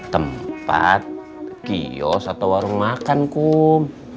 tempat kios atau warung makan kum